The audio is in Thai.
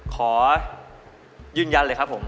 ขอยืนยันเลยครับผม